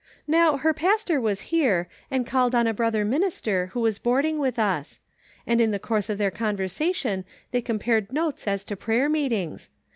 " Now her pastor was here, and called on a brother minister who was boarding with us ; and in the course of their conversation they compared notes as to prayer meetings.